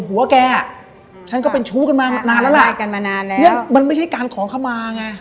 หัวแกอะฉันก็เป็นชู้กันมานานแล้วล่ะมันไม่ใช่การขอขมาไง